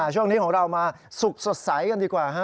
ช่วงนี้ของเรามาสุกสดใสกันดีกว่า